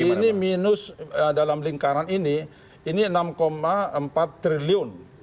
ini minus dalam lingkaran ini ini enam empat triliun